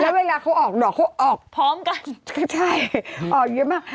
แล้วเวลาเขาออกดอกเขาออกพร้อมกันใช่ออกเยอะมาก